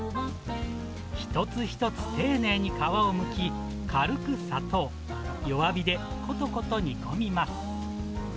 一つ一つ丁寧に皮をむき、軽く砂糖、弱火でことこと煮込みます。